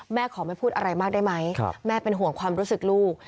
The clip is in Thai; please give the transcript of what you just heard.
ขอไม่พูดอะไรมากได้ไหมแม่เป็นห่วงความรู้สึกลูก